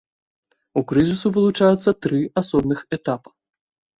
У крызісу вылучаюцца тры асобных этапа.